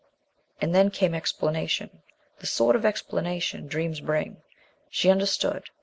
And then came explanation the sort of explanation dreams bring. She understood.